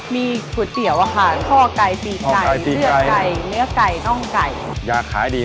มีก๋วยเตี๋ยว่าครับ